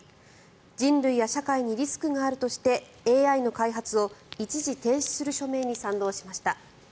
人類や社会にリスクがあるとしてＡＩの開発を一時停止する署名に賛同しました。